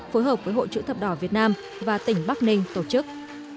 phối hợp với hội chữ thập đỏ việt nam và tỉnh bắc ninh tổ chức